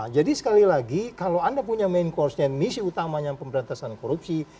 jadi sekali lagi kalau anda punya main course nya misi utamanya pemberantasan korupsi